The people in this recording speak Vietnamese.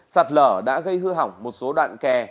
sạt lở đã gây hư hỏng một số đoạn kè